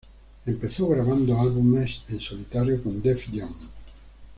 Empezó grabando álbumes en solitario con Def Jam.